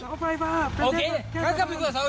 การกระปุ่นเศรษฐฟันอย่าอย่าอย่าเก่งกวนวัน